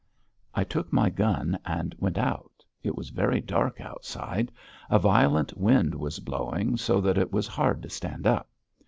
I took my gun and went out; it was very dark outside; a violent wind was blowing so that it was hard to stand up.